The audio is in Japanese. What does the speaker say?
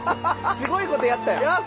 すごいことやったやん！